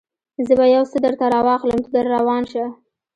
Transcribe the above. زه به یو څه درته راواخلم، ته در روان شه.